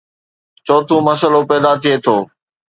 چوٿون مسئلو پيدا ٿئي ٿو